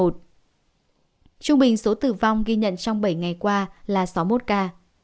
trung bình số tử vong ghi nhận trong bảy ngày qua là sáu mươi một ca